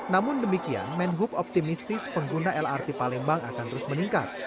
namun demikian menhub optimistis pengguna lrt palembang akan terus meningkat